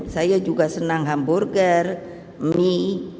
saya juga senang hamburger mie